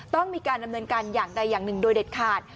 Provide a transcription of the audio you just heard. ต้องมีการดำเนินการอย่างใดอย่างหนึ่งโดยเด็ดขาด